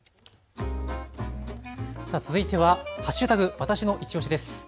続いては＃わたしのいちオシです。